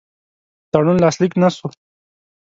تړون لاسلیک نه سو.